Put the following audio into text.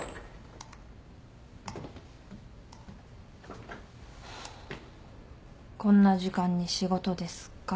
ハァこんな時間に仕事ですか。